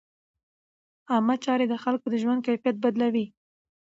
عامه چارې د خلکو د ژوند کیفیت بدلوي.